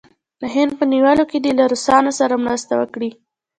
د هند په نیولو کې دې له روسانو سره مرسته وکړي.